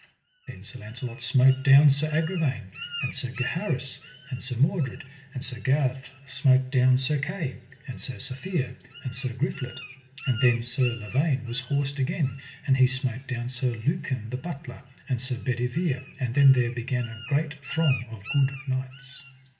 Then Sir Launcelot smote down Sir Agravaine, and Sir Gaheris, and Sir Mordred; and Sir Gareth smote down Sir Kay, and Sir Safere, and Sir Griflet. And then Sir Lavaine was horsed again, and he smote down Sir Lucan the Butler and Sir Bedevere and then there began great throng of good knights.